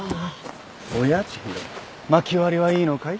おや知博まき割りはいいのかい？